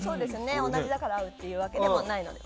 同じだから合うというわけでもないので。